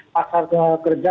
pasar kerja tetap ketat ya